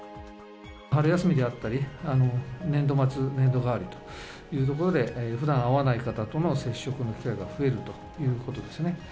春休みであったり、年度末、年度替わりというところで、ふだん会わない方との接触の機会が増えるということですね。